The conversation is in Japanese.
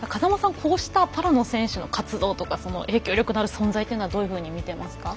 こうしたパラの選手の活動とか影響力のある存在というのはどういうふうに見ていますか。